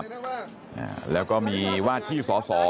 ไปพบผู้ราชการกรุงเทพมหานครอาจารย์ชาติชาติชาติชาติฝิทธิพันธ์นะครับ